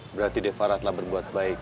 berarti devara telah berbuat baik